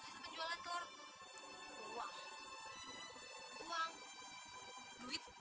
kan dogel hanyut